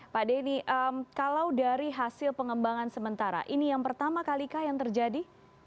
pak denny kalau dari hasil pengembangan sementara ini yang pertama kali yang terjadi